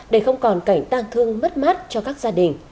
để không còn cảnh tang thương mất mát cho các gia đình